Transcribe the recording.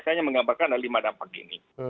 saya hanya menggambarkan ada lima dampak ini